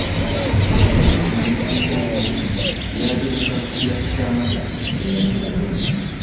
Ebitontome ebisinga obungi byabyanga bya sitanza emu bumu.